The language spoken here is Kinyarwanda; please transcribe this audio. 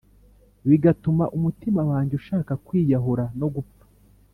bigatuma umutima wanjye ushaka kwiyahura no gupfa